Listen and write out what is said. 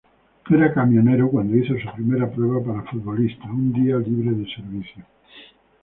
Era camionero cuando hizo su primera prueba para futbolista, un día libre de servicio.